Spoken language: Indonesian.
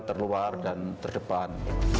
terluar dan terdepan